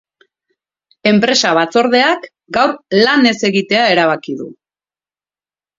Enpresa batzordeak gaur lan ez egitea erabaki du.